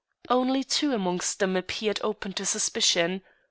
Only two amongst them appeared open to suspicion.